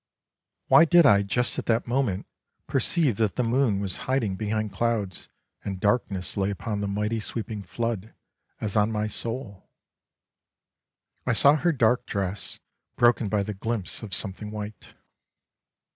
Why did I just at that moment perceive that the moon was hiding behind clouds and darkness lay upon the mighty sweeping flood as on my soul? I saw her dark dress broken by the glimpse of something white.